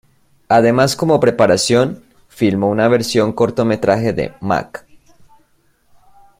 Además como preparación filmó una versión cortometraje de "Mac".